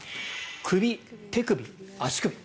首、手首、足首。